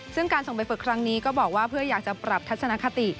ซึ่งการส่งไปฝึกครั้งนี้ก็บอกว่าเพื่ออยากจะปรับทัศนคติ